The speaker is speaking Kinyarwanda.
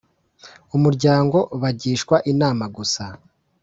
umuryango Bagishwa inama gusa